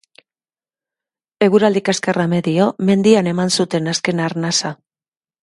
Eguraldi kaskarra medio, mendian eman zuten azken arnasa.